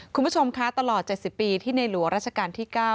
คุณผู้ชมคะตลอดเจ็ดสิบปีที่ในหลัวราชการที่เก้า